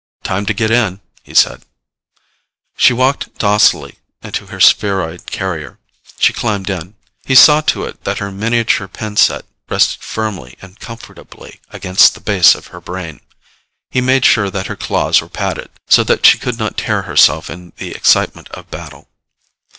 "Time to get in," he said. She walked docilely into her spheroid carrier. She climbed in. He saw to it that her miniature pin set rested firmly and comfortably against the base of her brain. He made sure that her claws were padded so that she could not tear herself in the excitement of battle.